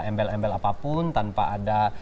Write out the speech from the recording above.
embel embel apapun tanpa ada